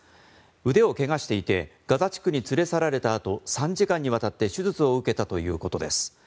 腕を怪我していてガザ地区に連れ去られた後３時間にわたって手術を受けたということです。